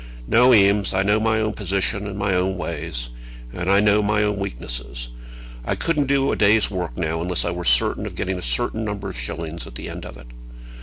No, Eames; I know my own position and my own ways, and I know my own weakness. I couldn't do a day's work now, unless I were certain of getting a certain number of shillings at the end of it.